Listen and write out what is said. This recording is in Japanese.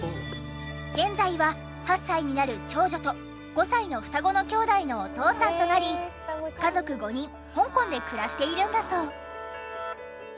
現在は８歳になる長女と５歳の双子の兄弟のお父さんとなり家族５人香港で暮らしているんだそう。